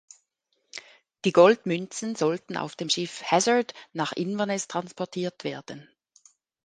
Die Goldmünzen sollten auf dem Schiff „Hazard“ nach Inverness transportiert werden.